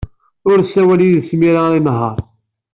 Ur ssawal yid-s mi ara inehheṛ.